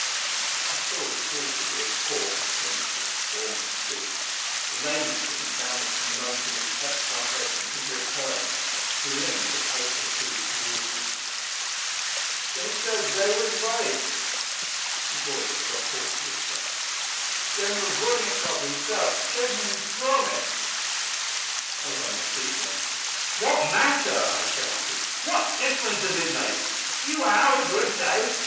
I saw the tall figure of Paul sink to its former stoop; the lameness that had vanished in the moment of his exaltation had returned. He limped a pace or two toward me. "They said they would wait!" His voice was a hoarse whisper. "General Vornikoff himself gave me his promise!" I was on my feet, then. "What matter?" I shouted. "What difference does it make a few hours or a day?